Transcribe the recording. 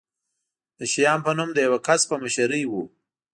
د شیام په نوم د یوه کس په مشرۍ و.